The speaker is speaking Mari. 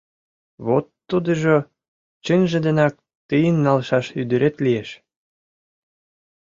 Вот тудыжо чынже денак тыйын налшаш ӱдырет лиеш!